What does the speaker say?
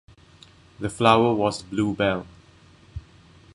The flower was the Bluebell.